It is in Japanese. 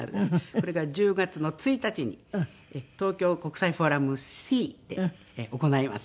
これが１０月の１日に東京国際フォーラムＣで行います。